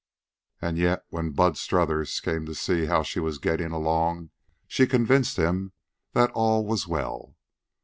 And yet, when Bud Strothers came to see how she was getting along, she convinced him that all was well.